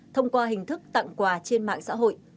thông qua hình thức tặng quà trên mạng xã hội